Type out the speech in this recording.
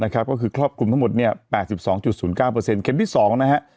ก็คือครอบคลุมทั้งหมด๘๒๐๙เข็มที่๒นะฮะ